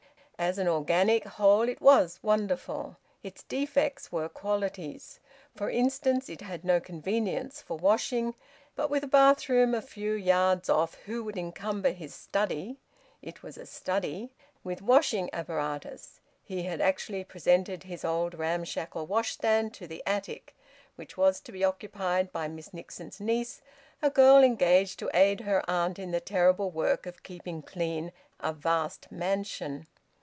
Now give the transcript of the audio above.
As an organic whole it was wonderful. Its defects were qualities. For instance, it had no convenience for washing; but with a bathroom a few yards off, who would encumber his study (it was a study) with washing apparatus? He had actually presented his old ramshackle washstand to the attic which was to be occupied by Mrs Nixon's niece, a girl engaged to aid her aunt in the terrible work of keeping clean a vast mansion.